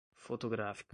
fotográfica